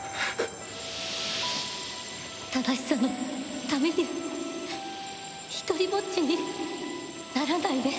正しさのために独りぼっちにならないで。